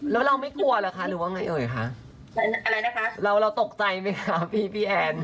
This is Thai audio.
แล้วเราไม่กลัวหรอคะหรือว่าไงเอ๋ยคะเราตกใจไหมค่ะพี่แอน